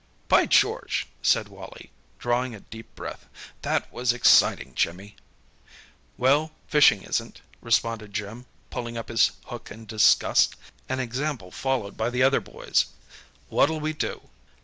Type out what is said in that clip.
"By George!" said Wally, drawing a deep breath. "That was exciting, Jimmy!" "Well, fishing isn't," responded Jim pulling up his hook in disgust, an example followed by the other boys. "What'll we do?"